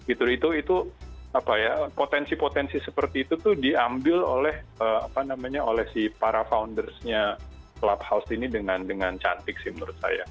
itu potensi potensi seperti itu tuh diambil oleh si para foundersnya clubhouse ini dengan cantik sih menurut saya